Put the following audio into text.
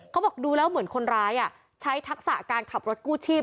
เขาบอกดูแล้วเหมือนคนร้ายใช้ทักษะการขับรถกู้ชีพ